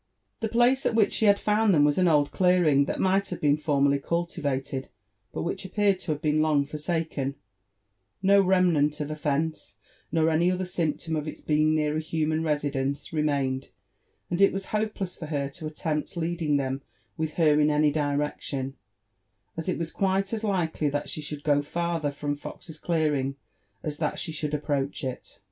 The place at which she bad found them was an old clearing that might have been formerly cultivated, but which appeared to have been long forsaken ; no remnant of a fence, nor any other symptom of Us being near a human residence, remained, and it was hopeless for her to attempt leading thenx with her in any directjpn, as it was quite as likely that she should go farther from Fox's clearing as that she should approach it.